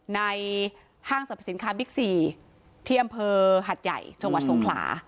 ห้างสรรพสินค้าบิ๊กซีที่อำเภอหัดใหญ่จังหวัดสงขลา